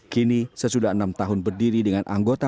kini sesudah enam tahun berdiri dengan anggota